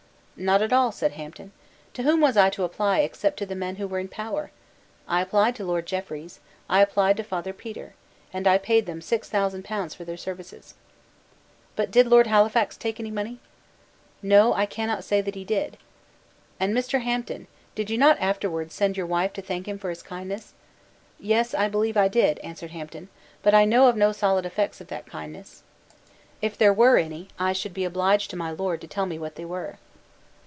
"Not at all," said Hampden; "to whom was I to apply except to the men who were in power? I applied to Lord Jeffreys: I applied to Father Petre; and I paid them six thousand pounds for their services." "But did Lord Halifax take any money?" "No, I cannot say that he did." "And, Mr. Hampden, did not you afterwards send your wife to thank him for his kindness?" "Yes, I believe I did," answered Hampden; "but I know of no solid effects of that kindness. If there were any, I should be obliged to my Lord to tell me what they were."